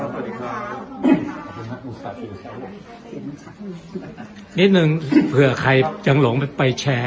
พะเมียนบุคคลนะพะเมียนครับขอบคุณหลายแนว